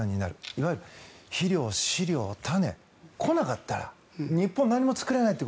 いわゆる肥料、飼料、種来なかったら日本、何も作れないって。